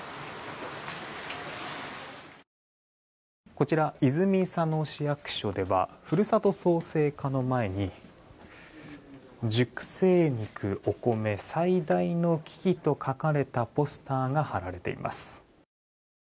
こちら泉佐野市役所ではふるさと創生課の前に熟成肉・お米最大の危機と書かれたポスターが貼られています。